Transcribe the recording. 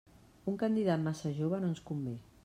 Un candidat massa jove no ens convé.